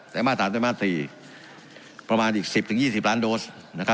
ในประมาณ๓๔ประมาณอีก๑๐๒๐ล้านโดสนะครับ